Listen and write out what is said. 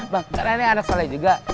karena ini anak soleh juga